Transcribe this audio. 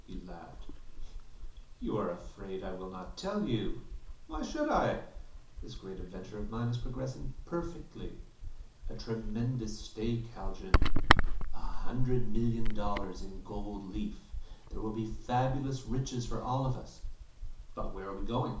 He laughed. "You are afraid I will not tell you! Why should I? This great adventure of mine is progressing perfectly. A tremendous stake, Haljan. A hundred million dollars in gold leaf. There will be fabulous riches for all of us " "But where are we going?"